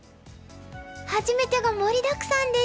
初めてが盛りだくさんでした。